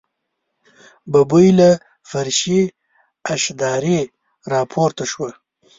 ببۍ له فرشي اشدارې راپورته شوه.